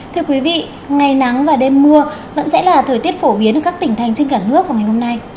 thưa quý vị ngày nắng và đêm mưa vẫn sẽ là thời tiết phổ biến ở các tỉnh thành trên cả nước vào ngày hôm nay